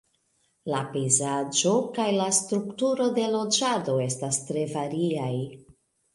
La pejzaĝo kaj la strukturo de loĝado estas tre variaj.